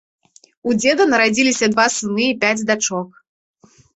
У дзеда нарадзіліся два сыны і пяць дачок.